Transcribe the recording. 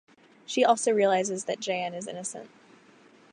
She also realizes that Jayan is innocent.